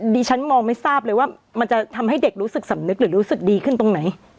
ดิฉันมองไม่ทราบเลยว่ามันจะทำให้เด็กรู้สึกสำนึกหรือรู้สึกดีขึ้นตรงไหน